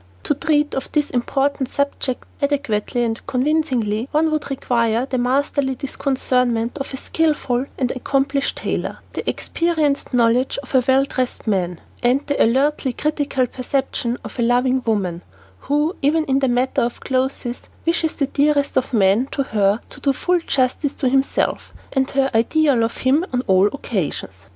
To treat of this important subject adequately and convincingly, one would require the masterly discernment of a skillful and accomplished tailor, the experienced knowledge of a well dressed man, and the alertly critical perception of a loving woman who, even in the matter of clothes, wishes the dearest of men to her, to do full justice to himself and her ideal of him on all occasions.